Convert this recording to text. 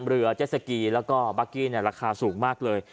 เรือเจสสกีแล้วก็บัคกี้เนี่ยราคาสูงมากเลย